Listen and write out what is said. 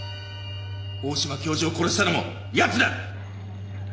大島教授を殺したのも奴だ！